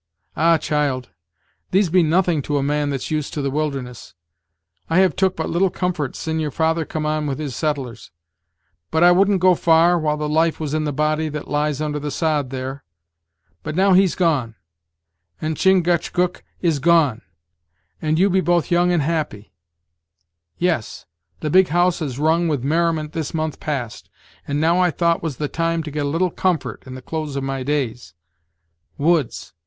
"Ah! child, these be nothing to a man that's used to the wilderness. I have took but little comfort sin' your father come on with his settlers; but I wouldn't go far, while the life was in the body that lies under the sod there. But now he's gone, and Chingachgook Is gone; and you be both young and happy. Yes! the big house has rung with merriment this month past! And now I thought was the time to get a little comfort in the close of my days. Woods!